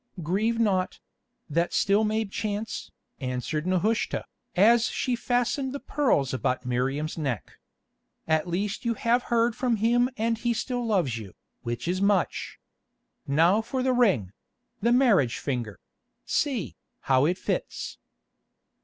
"Grieve not; that still may chance," answered Nehushta, as she fastened the pearls about Miriam's neck. "At least you have heard from him and he still loves you, which is much. Now for the ring—the marriage finger—see, how it fits."